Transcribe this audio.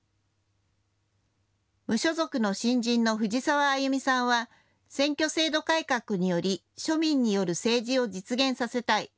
無所属の新人の藤沢あゆみさんは選挙制度改革により庶民による政治を実現させたい。